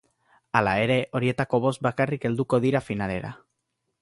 Hala ere, horietako bost bakarrik helduko dira finalera.